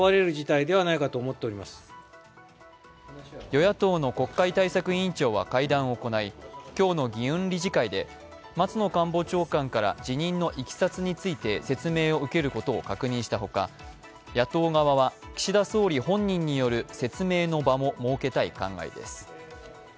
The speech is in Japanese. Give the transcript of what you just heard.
与野党の国会対策委員長は会談を行い、今日の議運理事会で松野官房長官から辞任のいきさつについて説明を受けることを確認したほか野党側は、岸田総理本人による説明の場も設けたい考えです。